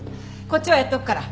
こっちはやっておくから。